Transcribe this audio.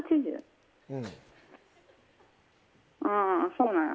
そうなんや。